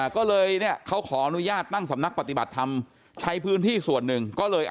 ก็เลยเนี่ยเขาขออนุญาตตั้งสำนักปฏิบัติธรรมใช้พื้นที่ส่วนหนึ่งก็เลย